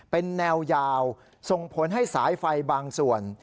เป็นแนวยาวส่งผลให้สายไฟบางส่วน